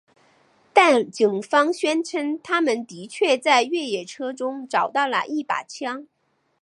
但警方宣称他们的确在越野车中找到了一把枪。